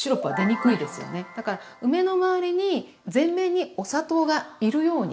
だから梅のまわりに全面にお砂糖がいるように。